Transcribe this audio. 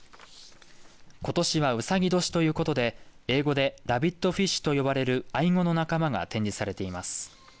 ことしはうさぎ年ということで英語でラビットフィッシュと呼ばれるアイゴの仲間が展示されています。